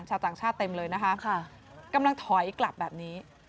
ชาวต่างชาติเต็มเลยนะคะกำลังถอยกลับแบบนี้